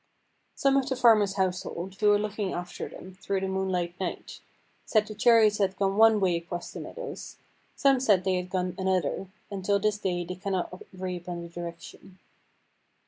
Some of the farmer's household, who were looking after them through the moonlight night, said the chariots had gone one way across the meadows, some said they had gone another, and till this day they cannot agree upon the direction.